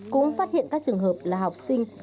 cũng phát hiện các trường hợp là học sinh